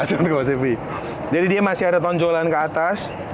jadi dia masih ada tonjolan ke atas